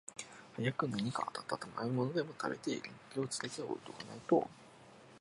早く何か暖かいものでも食べて、元気をつけて置かないと、